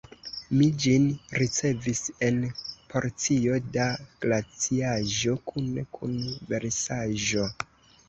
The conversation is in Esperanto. Mi ĝin ricevis en porcio da glaciaĵo kune kun versaĵo.